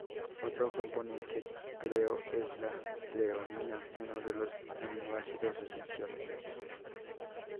Otro componente treo es la treonina, uno de los aminoácidos esenciales.